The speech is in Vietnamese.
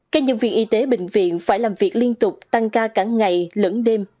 các nhân viên y tế bệnh viện phải làm việc liên tục tăng ca cả ngày lẫn đêm